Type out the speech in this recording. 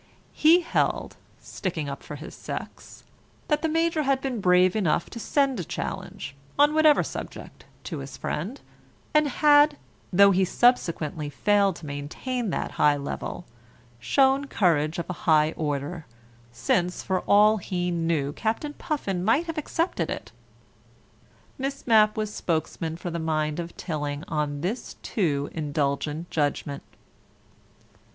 He held (sticking up for his sex) that the Major had been brave enough to send a challenge (on whatever subject) to his friend, and had, though he subsequently failed to maintain that high level, shown courage of a high order, since, for all he knew, Captain Puffin might have accepted it. Miss Mapp was spokesman for the mind of Tilling on this too indulgent judgment.